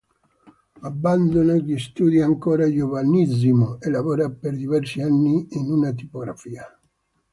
Abbandona gli studi ancora giovanissimo e lavora per diversi anni in una tipografia.